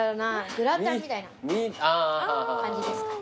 グラタンみたいな感じですかね。